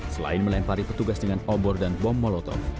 selain melempari petugas dengan obor dan bom molotov